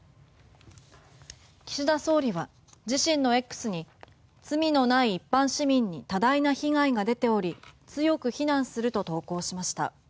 岸田総理は自身のＸに罪のない一般市民に多大な被害が出ており強く非難すると投稿しました。